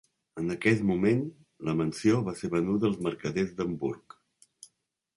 En aquest moment la mansió va ser venuda als mercaders d'Hamburg.